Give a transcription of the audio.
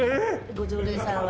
ご常連さんは。